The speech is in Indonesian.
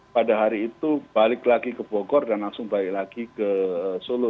pada hari itu balik lagi ke bogor dan langsung balik lagi ke solo